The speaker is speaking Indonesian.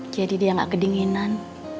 jadi dia gak kedinginan